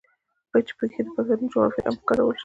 چې پکښې د پښتنو جغرافيه هم پکارولے شوې ده.